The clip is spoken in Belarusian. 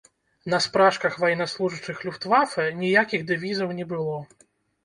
На спражках ваеннаслужачых люфтвафэ ніякіх дэвізаў не было.